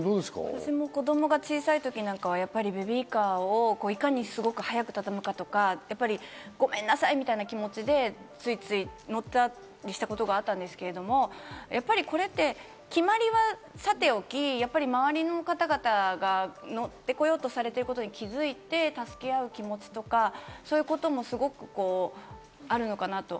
私も子供が小さい時なんかは、ベビーカーをいかにすごく早く畳むかとか、ごめんなさい！みたいな気持ちで、ついつい、乗ったりしたことがあったんですけど、やっぱり、これって決まりはさておき、周りの方々が乗ってこようとされてることに気づいて助け合う気持ちとか、そういうこともすごくあるのかなと。